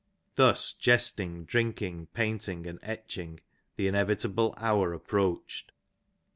Thus jesting, drinking, painting, and etching, the inevitable hour approached.